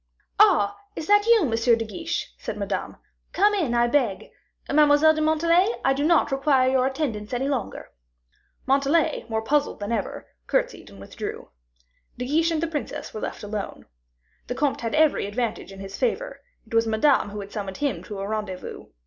"Ah! is that you, Monsieur de Guiche?" said Madame; "come in, I beg. Mademoiselle de Montalais, I do not require your attendance any longer." Montalais, more puzzled than ever, courtesied and withdrew. De Guiche and the princess were left alone. The comte had every advantage in his favor; it was Madame who had summoned him to a rendezvous.